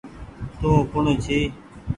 تو ڪوٚڻ جي